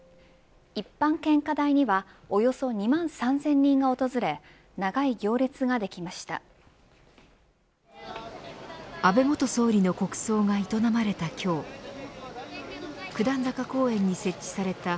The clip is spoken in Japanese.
一般献花台にはおよそ２万３０００人が訪れ長い行列ができました。